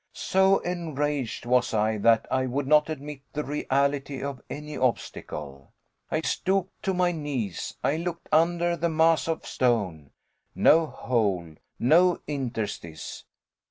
So enraged was I that I would not admit the reality of any obstacle. I stooped to my knees; I looked under the mass of stone. No hole, no interstice.